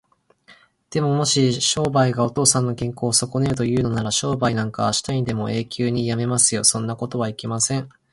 でも、もし商売がお父さんの健康をそこねるというのなら、商売なんかあしたにでも永久にやめますよ。そんなことはいけません。